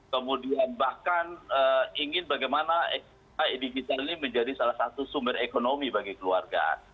kemudian bahkan ingin bagaimana digital ini menjadi salah satu sumber ekonomi bagi keluarga